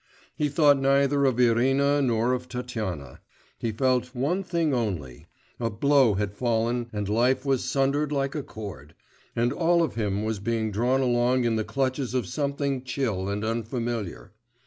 He thought neither of Irina nor of Tatyana. He felt one thing only: a blow had fallen and life was sundered like a cord, and all of him was being drawn along in the clutches of something chill and unfamiliar.